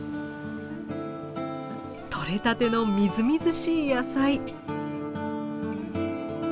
とれたてのみずみずしい野菜！